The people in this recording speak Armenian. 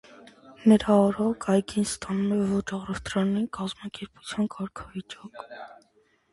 Նրա օրոք այգին ստանում է ոչ առևտրային կազմակերպության կարգավիճակ։